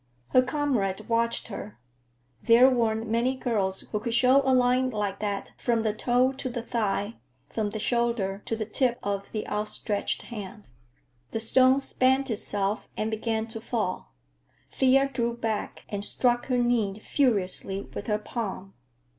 Her comrade watched her; there weren't many girls who could show a line like that from the toe to the thigh, from the shoulder to the tip of the outstretched hand. The stone spent itself and began to fall. Thea drew back and struck her knee furiously with her palm.